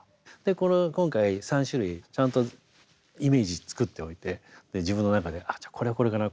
これを今回３種類ちゃんとイメージ作っておいて自分の中で「じゃあこれはこれかな。